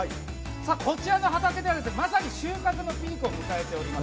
こちらの畑ではまさに収穫のピークを迎えております。